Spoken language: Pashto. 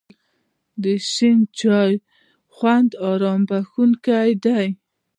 د شین چای خوند آرام بښونکی دی.